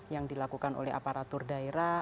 yang dilakukan oleh aparatur daerah